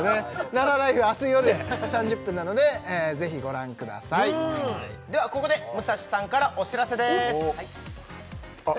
「ララＬＩＦＥ」あすよる１１時３０分なのでぜひご覧くださいではここで武蔵さんからお知らせですあっ